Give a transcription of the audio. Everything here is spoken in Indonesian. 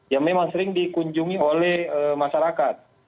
yang memang sering dikunjungi oleh masyarakat